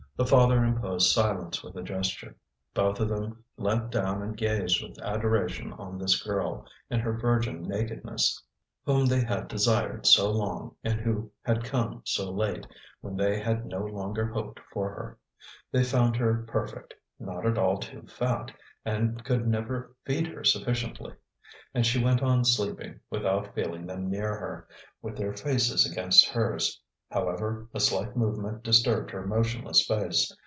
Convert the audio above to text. The father imposed silence with a gesture. Both of them leant down and gazed with adoration on this girl, in her virgin nakedness, whom they had desired so long, and who had come so late, when they had no longer hoped for her. They found her perfect, not at all too fat, and could never feed her sufficiently. And she went on sleeping, without feeling them near her, with their faces against hers. However, a slight movement disturbed her motionless face.